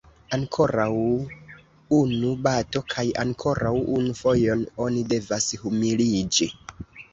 Ankoraŭ unu bato kaj ankoraŭ unu fojon oni devas humiliĝi.